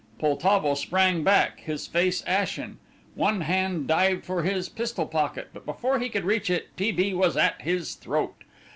Poltavo sprang back, his face ashen. One hand dived for his pistol pocket, but before he could reach it T. B. was at his throat.